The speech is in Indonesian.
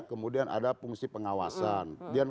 kemudian ada fungsi pengawasan